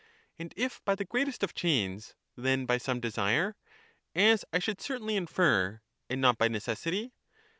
And if by the greatest of chains, then by some desire, as I should certainly infer, and not by necessity?